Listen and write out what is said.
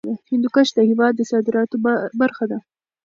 هندوکش د هېواد د صادراتو برخه ده.